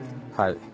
はい？